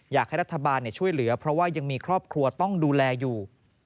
อยากให้รัฐบาลช่วยเหลือเพราะว่ายังมีครอบครัวต้องดูแลอยู่